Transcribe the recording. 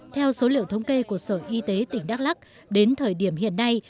theo số liệu thống kê của sở y tế tỉnh đắk lắc đến thời điểm hiện nay